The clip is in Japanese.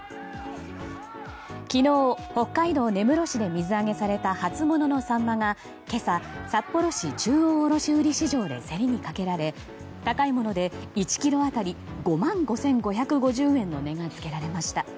昨日北海道根室市で水揚げされた初物のサンマが今朝、札幌中央卸売市場で競りにかけられ高いもので１ｋｇ当たり５万５５５０円の値がつけられました。